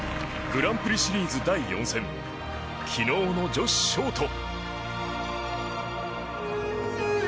グランプリシリーズ第４戦昨日の女子ショート。